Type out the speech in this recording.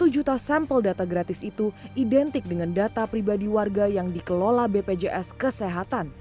satu juta sampel data gratis itu identik dengan data pribadi warga yang dikelola bpjs kesehatan